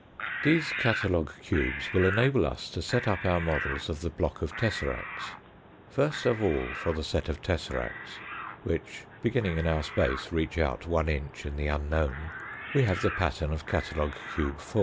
These catalogue cubes will enable us to set up our models of the block of tesseracts. First of all for the set of tesseracts, which beginning in our space reach out one inch in the unknown, we have the pattern of catalogue cube 4.